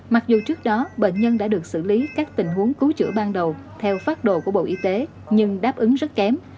mặc dù trước đó bệnh nhân đã được xử lý các tình huống cứu chữa ban đầu theo phát đồ của bộ y tế nhưng đáp ứng rất kém